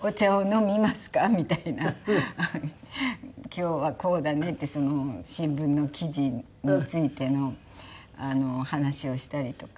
「今日はこうだね」って新聞の記事についての話をしたりとか。